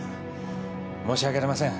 申し訳ありません。